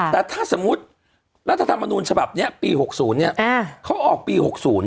แต่ถ้าสมมุติรัฐธรรมนูญฉบับนี้ปี๖๐เนี่ยเขาออกปี๖๐